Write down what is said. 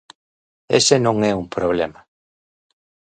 Ese non é un problema.